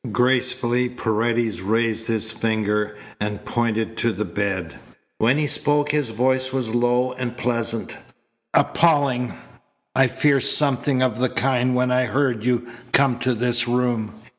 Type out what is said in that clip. Gracefully Paredes raised his finger and pointed to the bed. When he spoke his voice was low and pleasant: "Appalling! I feared something of the kind when I heard you come to this room."